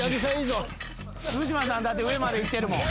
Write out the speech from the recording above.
福島さん上までいってるもん。